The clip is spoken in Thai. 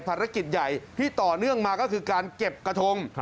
ภารกิจใหญ่ที่ต่อเนื่องมาก็คือการเก็บกระทง